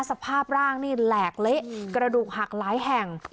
สภาพร่างนี่แหลกเละกระดูกหักหลายแห่ง